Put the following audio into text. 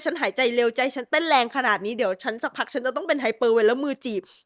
หายใจเร็วใจฉันเต้นแรงขนาดนี้เดี๋ยวฉันสักพักฉันจะต้องเป็นไฮเปอร์ไว้แล้วมือจีบ